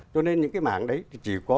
cho nên những cái mảng đấy thì chỉ có